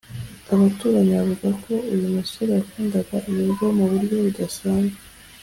Abaturanyi bavuga ko uyu musore yakundaga ibiryo mu buryo budasanzwe